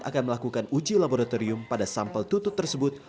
akan melakukan uji laboratorium pada sampel tutut tersebut